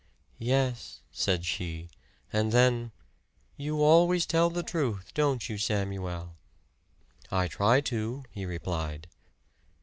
"Yes," said she; and then, "You always tell the truth, don't you, Samuel?" "I try to," he replied.